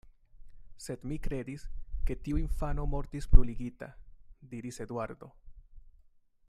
Sed mi kredis, ke tiu infano mortis bruligita, diris Eduardo.